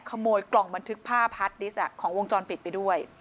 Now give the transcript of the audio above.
ขโมยกล่องบันทึกผ้าพาร์ทดิสต์ของวงจรปิดไปด้วย